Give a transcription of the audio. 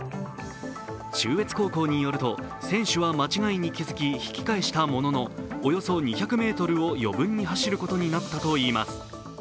中越高校によると選手は間違いに気づき、引き返したもののおよそ２００ｍを余分に走ることになったといいます。